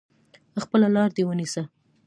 خپله لار دي ونیسه !